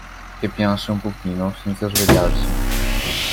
Che pianse un pochino senza svegliarsi.